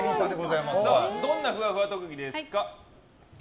どんなふわふわ特技ですか？